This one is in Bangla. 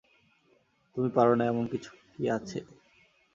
তুমি পারো না এমনকিছু আছে?